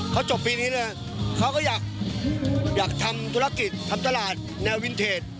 เขาจบปีรังนี้คืออยากทำตุรกิจทำตลาดแนววินเทจ